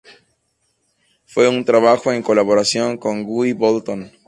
Fue un trabajo en colaboración con Guy Bolton.